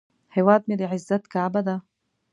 هیواد مې د عزت کعبه ده